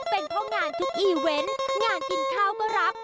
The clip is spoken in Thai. เป็นเพราะงานทุกอีเวนต์งานกินข้าวก็รับ